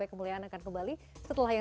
mati bukan akhir kehidupan